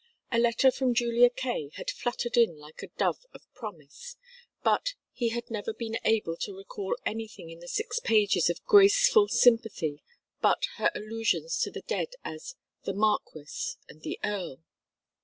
A letter from Julia Kaye had fluttered in like a dove of promise, but he had never been able to recall anything in the six pages of graceful sympathy but her allusions to the dead as "the marquess" and "the earl."